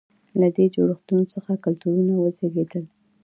له دې جوړښتونو څخه کلتورونه وزېږېدل.